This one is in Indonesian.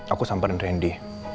aku samperin randy